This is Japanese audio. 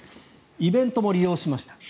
イベントも利用しました。